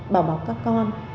bảo bảo các con